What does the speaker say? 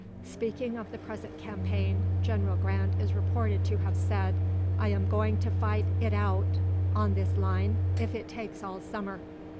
Speaking of the present campaign, General Grant is reported to have said, 'I am going to fight it out on this line if it takes all summer.